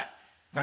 何？